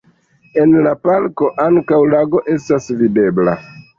En la parko ankaŭ lago estas videbla.